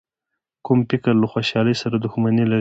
کوږ فکر له خوشحالۍ سره دښمني لري